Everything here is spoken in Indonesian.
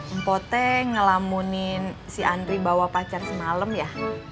empo t ngelamunin si andri bawa pacar semalem ya